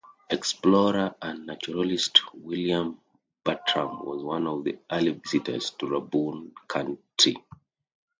Explorer and naturalist William Bartram was one of the early visitors to Rabun County.